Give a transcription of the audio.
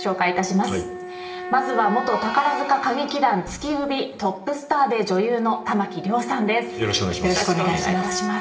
まずは元宝塚歌劇団月組トップスターで女優の珠城りょうさんです。